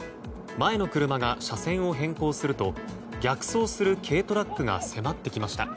前の車が車線を変更すると逆走する軽トラックが迫ってきました。